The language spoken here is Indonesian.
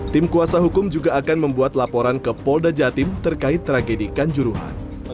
tim kuasa hukum juga akan membuat laporan ke polda jatim terkait tragedi kanjuruhan